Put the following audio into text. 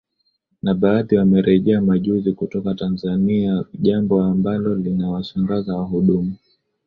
na baadhi wamerejea majuzi kutoka Tanzania jambo ambalo linawashangaza wahudumu